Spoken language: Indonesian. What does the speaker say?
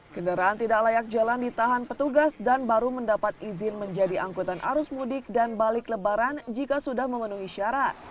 kendaraan tidak layak jalan ditahan petugas dan baru mendapat izin menjadi angkutan arus mudik dan balik lebaran jika sudah memenuhi syarat